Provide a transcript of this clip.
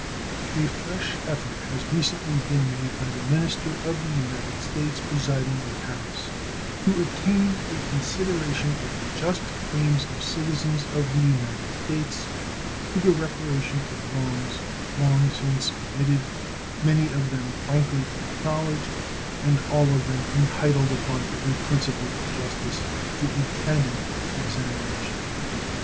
A fresh effort has recently been made by the minister of the United States residing at Paris to obtain a consideration of the just claims of citizens of the United States to the reparation of wrongs long since committed, many of them frankly acknowledged and all of them entitled upon every principle of justice to a candid examination.